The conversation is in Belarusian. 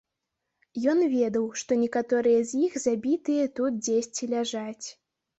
Ён ведаў, што некаторыя з іх забітыя тут дзесьці ляжаць.